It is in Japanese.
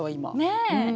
ねえ。